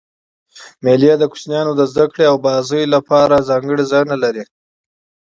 مېلې د کوچنيانو د زدهکړي او بازيو له پاره ځانګړي ځایونه لري.